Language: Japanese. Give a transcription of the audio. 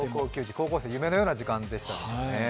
高校生、夢のような時間だったでしょうね。